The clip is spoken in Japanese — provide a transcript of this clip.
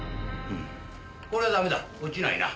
こりゃダメだ落ちないな。